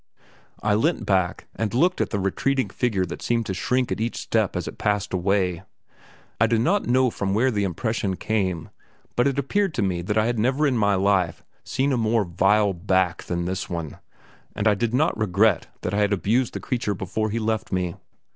I leant back and looked at the retreating figure that seemed to shrink at each step as it passed away. I do not know from where the impression came, but it appeared to me that I had never in my life seen a more vile back than this one, and I did not regret that I had abused the creature before he left me.